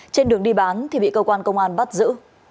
trên đường đi bán thì bị cơ quan công an bắt giữ